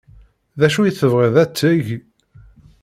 D acu i tebɣiḍ ad teg?